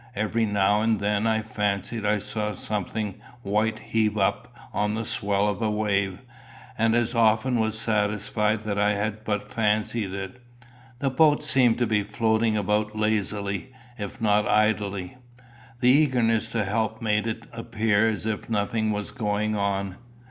Every now and then I fancied I saw something white heaved up on the swell of a wave, and as often was satisfied that I had but fancied it. The boat seemed to be floating about lazily, if not idly. The eagerness to help made it appear as if nothing was going on.